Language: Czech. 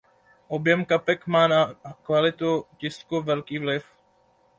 Objem kapek má na kvalitu tisku velký vliv.